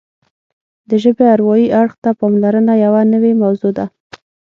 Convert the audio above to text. د ژبې اروايي اړخ ته پاملرنه یوه نوې موضوع ده